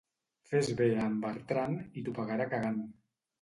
Fes bé a en Bertran i t'ho pagarà cagant.